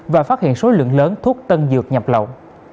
và phát hiện số lượng lớn thuốc tân dược nhập lậu